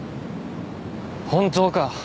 本当か？